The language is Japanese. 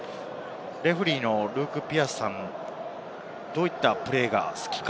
レフェリーのルーク・ピアースさん、どういったプレーが好きか。